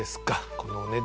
このお値段。